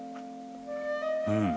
うん。